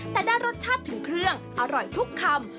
แต่ได้รสชาติถึงเครื่องอร่อยทุกคำ